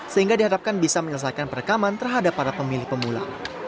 sehingga diharapkan bisa menyelesaikan perekaman terhadap para pemilih pemula